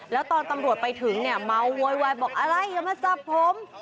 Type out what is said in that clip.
แล้วตอนตำรวจไปถึงเนี่ยเมาโวยวายบอกอะไรอย่ามาจับผม